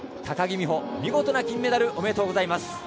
高木美帆、見事な金メダルおめでとうございます！